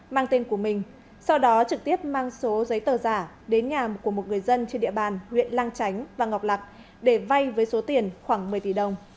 mang tên của mình sau đó trực tiếp mang số giấy tờ giả đến nhà của một người dân trên địa bàn huyện lang chánh và ngọc lạc để vay với số tiền khoảng một mươi tỷ đồng